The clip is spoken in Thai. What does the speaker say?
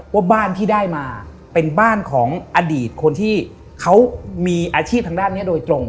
ว่าบ้านที่ได้มาเป็นบ้านของอดีตคนที่เขามีอาชีพทางด้านนี้โดยตรง